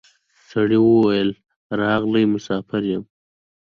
سړي وویل راغلی مسافر یم